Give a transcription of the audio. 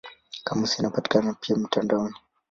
Kamusi inapatikana pia mtandaoni.